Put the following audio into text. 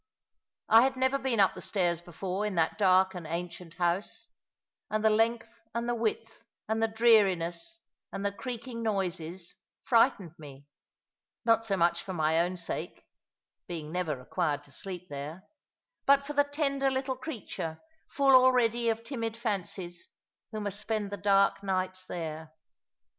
I had never been up the stairs before in that dark and ancient house; and the length, and the width, and the dreariness, and the creaking noises, frightened me; not so much for my own sake (being never required to sleep there), but for the tender little creature, full already of timid fancies, who must spend the dark nights there.